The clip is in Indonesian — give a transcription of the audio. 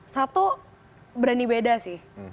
satu berani beda sih